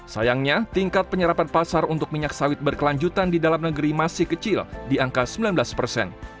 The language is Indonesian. sayangnya tingkat penyerapan pasar untuk minyak sawit berkelanjutan di dalam negeri masih kecil di angka sembilan belas persen